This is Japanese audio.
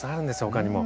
他にも。